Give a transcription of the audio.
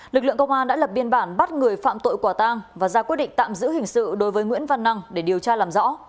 lực lượng công an đã lập biên bản bắt người phạm tội quả tang và ra quyết định tạm giữ hình sự đối với nguyễn văn năng để điều tra làm rõ